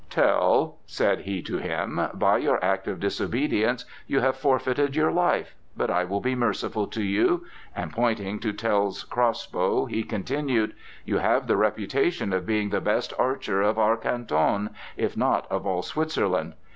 "Tell," said he to him, "by your act of disobedience you have forfeited your life. But I will be merciful to you," and pointing to Tell's crossbow, he continued: "You have the reputation of being the best archer of our Canton, if not of all Switzerland.